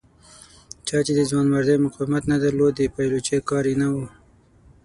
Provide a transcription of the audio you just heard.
چا چې د ځوانمردۍ مقاومت نه درلود د پایلوچۍ کار یې نه و.